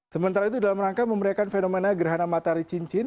sementara itu dalam rangka memberikan fenomena gerhana matahari cincin